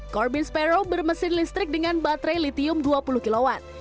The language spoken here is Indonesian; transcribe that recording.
corbin sparrow bermesin listrik dengan baterai litium dua puluh kw